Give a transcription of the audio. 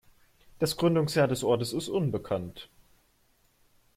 Das Gründungsjahr des Ortes ist unbekannt.